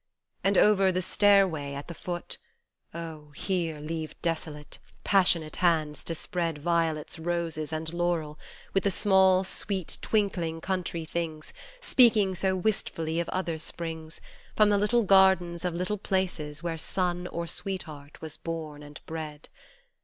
And over the stairway, at the foot oh ! here, leave desolate, passionate hands to spread Violets, roses, and laurel, with the small, sweet, twinkling country things Speaking so wistfully of other Springs, From the little gardens of little places where son or sweetheart was born and bred.